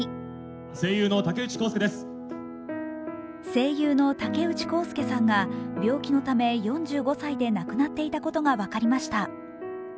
声優の竹内幸輔さんが病気のため４５歳で亡くなっていたことが分かりました。